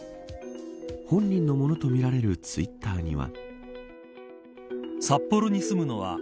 本人のものとみられるツイッターには。